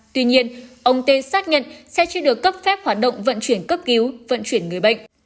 tuy nhiên ông tê xác nhận xe chưa được cấp phép hoạt động vận chuyển cấp cứu vận chuyển người bệnh